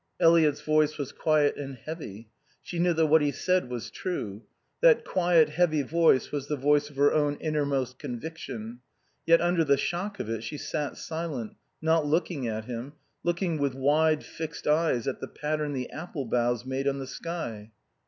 Eliot's voice was quiet and heavy. She knew that what he said was true. That quiet, heavy voice was the voice of her own innermost conviction. Yet under the shock of it she sat silent, not looking at him, looking with wide, fixed eyes at the pattern the apple boughs made on the sky.